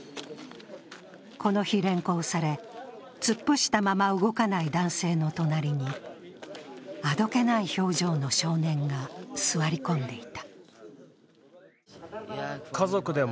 この日、連行され、突っ伏したまま動かない男性の隣に、あどけない表情の少年が座り込んでいた。